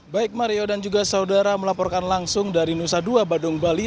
baik mario dan juga saudara melaporkan langsung dari nusa dua badung bali